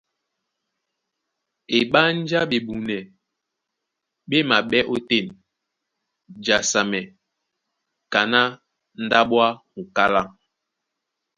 Eɓánjá ɓemuna ɓé maɓɛ́ ótên jasamɛ kaná ndáɓo a ́ mukálá.